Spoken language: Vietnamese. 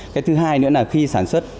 cái thứ hai nữa là khi sản xuất